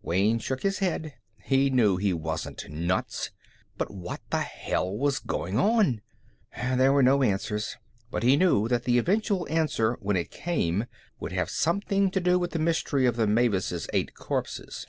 Wayne shook his head. He knew he wasn't nuts. But what the hell was going on? There were no answers. But he knew that the eventual answer, when it came, would have something to do with the mystery of the Mavis's eight corpses.